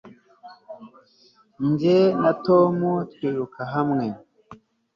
jye na tom twiruka hamwe